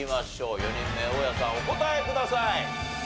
４人目大家さんお答えください。